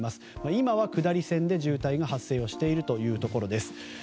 今は下り線で渋滞が発生しているというところです。